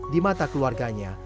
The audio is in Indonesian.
di mata keluarganya